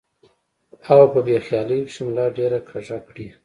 او پۀ بې خيالۍ کښې ملا ډېره کږه کړي ـ